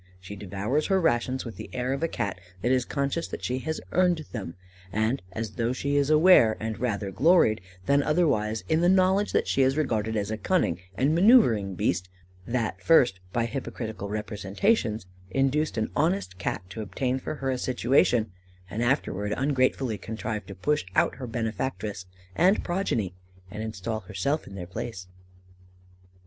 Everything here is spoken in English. She devours her rations with the air of a Cat that is conscious that she has earned them, and as though she is aware, and rather gloried than otherwise, in the knowledge that she is regarded as a cunning and manœuvring beast, that first, by hypocritical representations, induced an honest Cat to obtain for her a situation, and afterwards ungratefully contrived to push out her benefactress and progeny, and install herself in their place."